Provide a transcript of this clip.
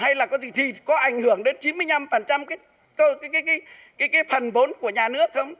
hay là có gì thì có ảnh hưởng đến chín mươi năm cái phần vốn của nhà nước không